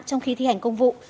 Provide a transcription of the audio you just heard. trong khi thi hành công vụ